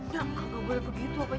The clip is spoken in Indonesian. nya kagak boleh begitu apa nya